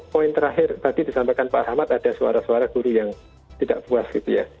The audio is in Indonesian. poin terakhir tadi disampaikan pak ahmad ada suara suara guru yang tidak puas gitu ya